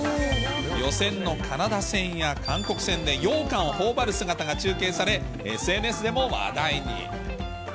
予選のカナダ戦や韓国戦で、ようかんをほおばる姿が中継され、ＳＮＳでも話題に。